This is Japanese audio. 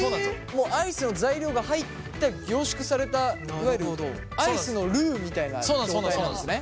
もうアイスの材料が入った凝縮されたいわゆるアイスのルウみたいな状態なんですね？